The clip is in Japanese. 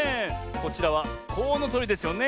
こちらはコウノトリですよね